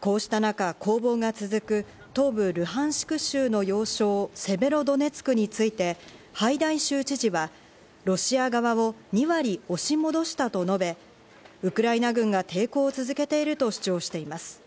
こうした中、攻防が続く東部ルハンシク州の要衝セベロドネツクについて、ハイダイ州知事はロシア側を２割、押し戻したと述べ、ウクライナ軍が抵抗を続けていると主張しています。